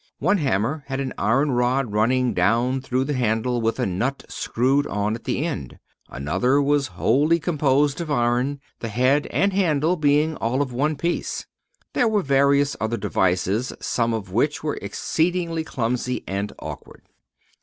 One hammer had an iron rod running down through the handle with a nut screwed on at the end. Another was wholly composed of iron, the head and handle being all of one piece. There were various other devices, some of which were exceedingly clumsy and awkward.